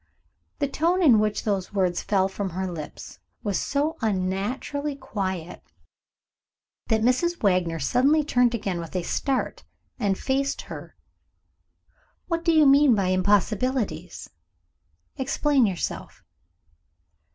The tone in which those words fell from her lips was so unnaturally quiet, that Mrs. Wagner suddenly turned again with a start, and faced her. "What do you mean by impossibilities? Explain yourself."